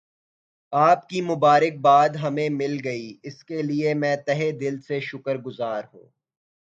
آپ کی مبارک باد ہمیں مل گئی اس کے لئے میں تہہ دل سے شکر گزار ہوں